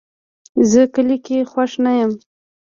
زه کلي کې خوښ نه یم